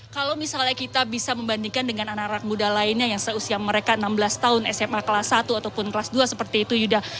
kalau misalnya kita bisa membandingkan dengan anak anak muda lainnya yang seusia mereka enam belas tahun sma kelas satu ataupun kelas dua seperti itu yuda